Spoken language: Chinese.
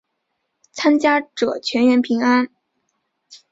参加者全员平安。